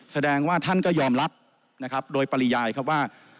แสดงว่าท่านก็ยอมรับนะครับโดยปริยายครับว่า